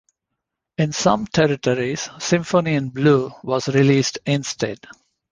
In some territories, "Symphony in Blue" was released instead.